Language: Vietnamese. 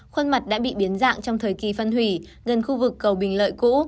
khuôn mặt đã bị biến dạng trong thời kỳ phân hủy gần khu vực cầu bình lợi cũ